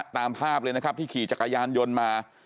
ตามภาพเลยนะครับที่ขี่จักรยานยนต์มา